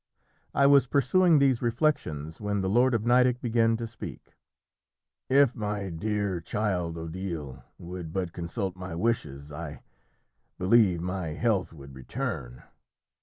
I was pursuing these reflections when the lord of Nideck began to speak "If my dear child Odile would but consult my wishes I believe my health would return."